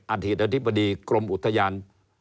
อาทิตย์อาทิตย์บดีกรมอุทยาน